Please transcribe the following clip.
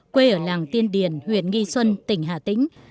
quê ở làng tiên điển huyện nghi xuân tỉnh hà tĩnh